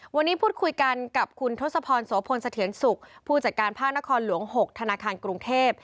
วันนี้พูดคุยกันกับคุณทศพรโสพลเสถียรสุขผู้จัดการภาคนครหลวง๖ธนาคารกรุงเทพ